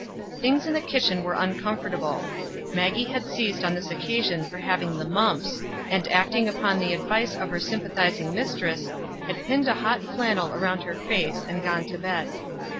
Things in the kitchen were uncomfortable. Maggie had seized on this occasion for having the mumps, and acting upon the advice of her sympathizing mistress, had pinned a hot flannel around her face and gone to bed.